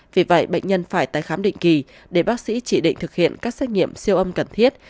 vì vậy bệnh nhân phải tái khám định kỳ để bác sĩ chỉ định thực hiện các xét nghiệm siêu âm cần thiết